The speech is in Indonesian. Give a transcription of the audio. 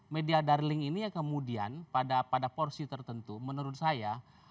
media darling ini yang kemudian pada porsi tertentu menurut saya